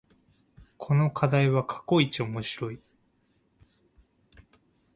この課題は過去一面白い